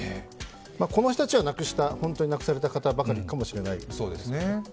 この人たちは本当になくされた方ばかりかもしれない。